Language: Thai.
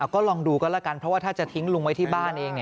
ก็ลองดูกันแล้วกันเพราะว่าถ้าจะทิ้งลุงไว้ที่บ้านเอง